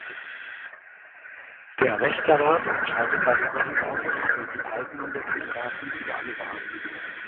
Der Wächterrat entscheidet darüber hinaus über die Eignung der Kandidaten für alle Wahlen.